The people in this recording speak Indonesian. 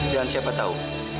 dan siapa tahu